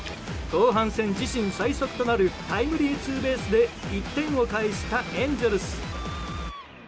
後半戦自身最速となるタイムリーツーベースで１点を返したエンゼルス。